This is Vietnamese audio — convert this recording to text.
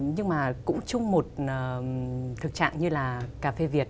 nhưng mà cũng chung một thực trạng như là cà phê việt